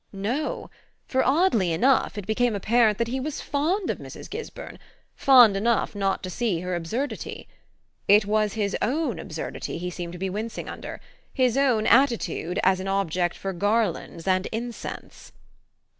No for, oddly enough, it became apparent that he was fond of Mrs. Gisburn fond enough not to see her absurdity. It was his own absurdity he seemed to be wincing under his own attitude as an object for garlands and incense.